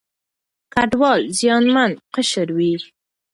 کډوال زیانمن قشر وي.